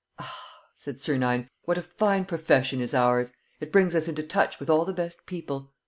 "Ah," said Sernine, "what a fine profession is ours! It brings us into touch with all the best people.